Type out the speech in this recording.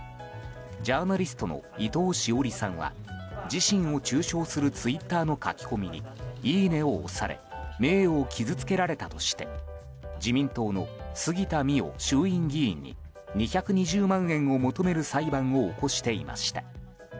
ジャーナリストの伊藤詩織さんは自身を中傷するツイッターの書き込みにいいねを押され名誉を傷つけられたとして自民党の杉田水脈衆院議員に２２０万円を求める裁判を起こしていました。